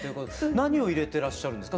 何を入れてらっしゃるんですか？